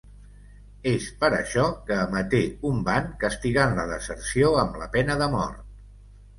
És per això que emeté un ban castigant la deserció amb la pena de mort.